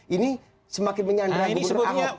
ini semakin menyanderai gubernur ahok